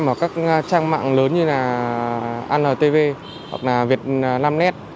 hoặc các trang mạng lớn như là antv hoặc là việt nam net